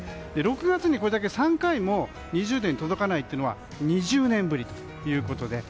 ６月にこれだけ、３回も２０度に届かないというのは２０年ぶりということで。